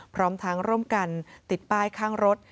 พร้อมทั้งร่วมกันติดป้ายข้างรถ